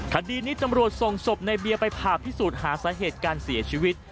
คดีนี้ตำรวจส่งศพในเบียร์ไปผ่าพิสูจน์หาสาเหตุการเสียชีวิต